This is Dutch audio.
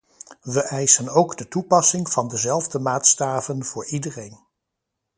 We eisen ook de toepassing van dezelfde maatstaven voor iedereen.